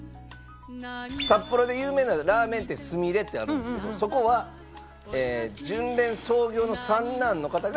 札幌で有名なラーメン店すみれってあるんですけどそこは純連創業の三男の方がお店出されてるそうです。